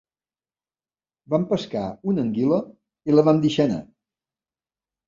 Vam pescar una anguila i la vam deixar anar.